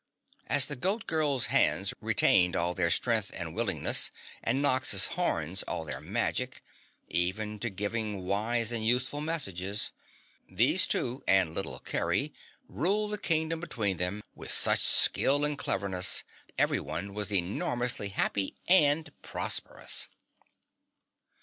As the Goat Girl's hands retained all of their strength and willingness, and Nox's horns all their magic even to giving wise and useful messages, these two and little Kerry ruled the Kingdom between them with such skill and cleverness everyone was enormously happy and prosperous!